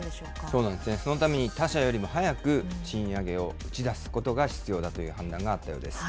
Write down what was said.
そうなんですね、そのために他社よりも早く賃上げを打ち出すことが必要だという判断があったようです。